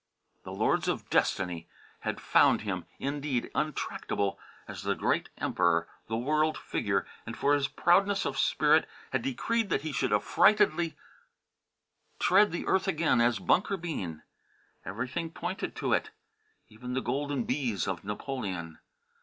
The Lords of Destiny had found him indeed untractable as the great Emperor, the world figure, and, for his proudness of spirit, had decreed that he should affrightedly tread the earth again as Bunker Bean. Everything pointed to it. Even the golden bees of Napoleon!